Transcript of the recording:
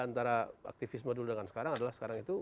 antara aktivisme dulu dengan sekarang adalah sekarang itu